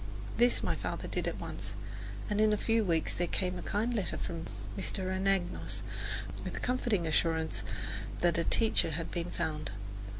This my father did at once, and in a few weeks there came a kind letter from Mr. Anagnos with the comforting assurance that a teacher had been found.